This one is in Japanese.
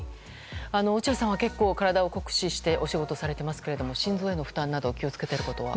落合さんは結構体を酷使してお仕事されていますが心臓への負担など気を付けていることは？